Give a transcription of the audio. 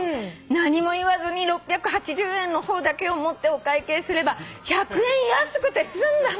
「何も言わずに６８０円の方だけを持ってお会計すれば１００円安くて済んだのです」